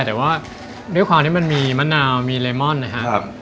แต่ว่าด้วยความที่มันมีมะนาวมีเลมอนนะครับ